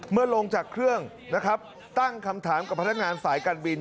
ลงจากเครื่องนะครับตั้งคำถามกับพนักงานสายการบิน